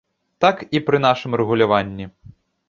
Так і пры нашым рэгуляванні.